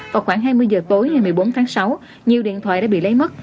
vào khoảng hai mươi giờ tối ngày một mươi bốn tháng sáu nhiều điện thoại đã bị lấy mất